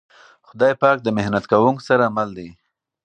خدای پاک د محنت کونکو سره مل دی.